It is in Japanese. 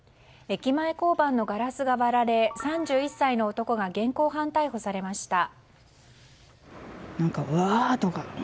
駅前交番のガラスが割られ３１歳の男が現行犯逮捕されました。